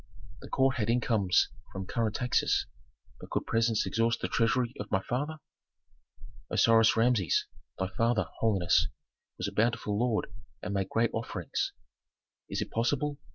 "The court had incomes from current taxes. But could presents exhaust the treasury of my father?" "Osiris Rameses, thy father, holiness, was a bountiful lord and made great offerings." "Is it possible?